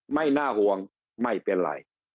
ไม่น่าห่วงไม่เป็นไร